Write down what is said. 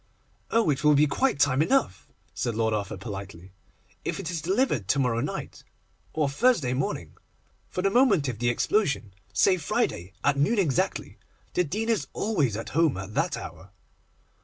'Oh, it will be quite time enough!' said Lord Arthur politely, 'if it is delivered to morrow night or Thursday morning. For the moment of the explosion, say Friday at noon exactly. The Dean is always at home at that hour.